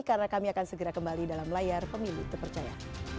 karena kami akan segera kembali dalam layar pemilih terpercaya